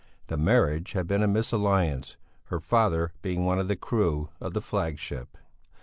The marriage had been a misalliance, her father being one of the crew of the flagship.